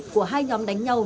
của hai nhóm đánh nhau